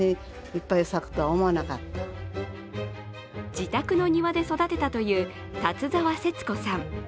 自宅の庭で育てたという立澤せつ子さん。